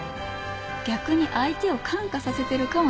逆に相手を感化させてるかもしれない。